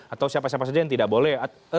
atau siapa siapa saja yang tidak boleh